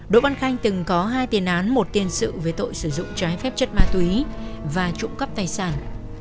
đỗ văn khanh từng có hai tiền án một tiền sự về tội sử dụng trái phép chất ma túy và trộm cắp tài sản